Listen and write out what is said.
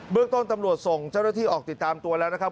เรื่องต้นตำรวจส่งเจ้าหน้าที่ออกติดตามตัวแล้วนะครับ